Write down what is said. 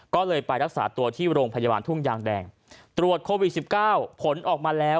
ก็เลยไปรักษาตัวที่โรงพยาบาลทุ่งยางแดงตรวจโควิด๑๙ผลออกมาแล้ว